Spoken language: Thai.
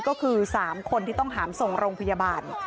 ก็คือ๓คนที่ต้องหามส่งโรงพยาบาล